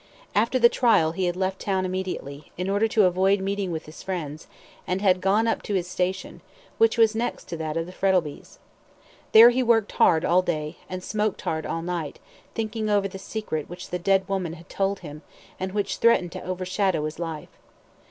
After the trial he had left town immediately, in order to avoid meeting with his friends, and had gone up to his station, which was next to that of the Frettlbys'. There he worked hard all day, and smoked hard all night, thinking over the secret which the dead woman had told him, and which threatened to overshadow his life.